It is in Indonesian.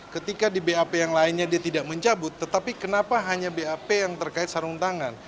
ketika di bap yang lainnya dia tidak mencabut tetapi kenapa hanya bap yang terkait sarung tangan